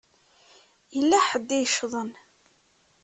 Yella ḥedd i yeccḍen.